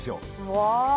うわ